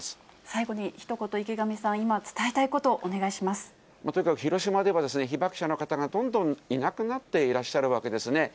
最後にひと言、池上さん、とにかく広島では、被爆者の方がどんどんいなくなっていらっしゃるわけですね。